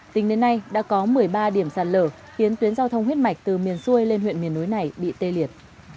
tính đến nay đã có một mươi ba điểm sạt lở khiến tuyến giao thông huyết mạch từ miền xuôi lên huyện miền núi này bị tê liệt